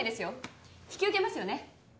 引き受けますよね？